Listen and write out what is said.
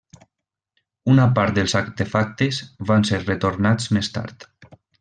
Una part dels artefactes van ser retornats més tard.